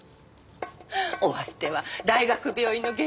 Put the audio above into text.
お相手は大学病院の外科医よ。